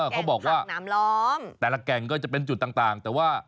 เขาบอกว่าน้ำล้อมแต่ละแก่งก็จะเป็นจุดต่างแต่ว่า